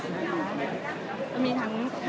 ที่เป็นทีมคณะสื่อบริเวณที่ร่วมเดินทางไปคราวนะคะ